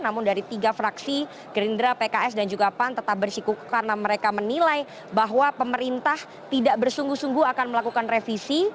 namun dari tiga fraksi gerindra pks dan juga pan tetap bersikuku karena mereka menilai bahwa pemerintah tidak bersungguh sungguh akan melakukan revisi